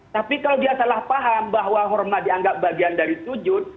jadi kalau dia salah paham bahwa hormat dianggap bagian dari tujuh